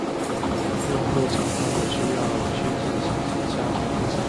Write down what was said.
用户常常有需要去进行剪下和贴上。